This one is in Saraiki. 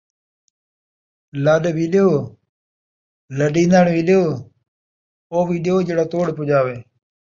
لݙ وی ݙیو ، لݙین٘دڑ وی ݙیو ، او وی ݙیو جیڑھا توڑ پُچاوے